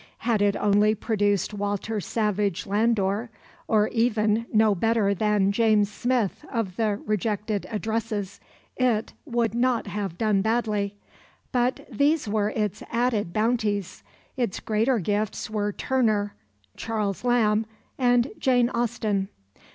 Had it only produced Walter Savage Landor, or even no better worthy than James Smith of the Rejected Addresses, it would not have done badly. But these were its added bounties. Its greater gifts were Turner, Charles Lamb and Jane Austen.